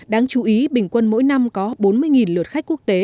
đáng chú ý bình quân mỗi năm có bốn mươi lượt khách quốc tế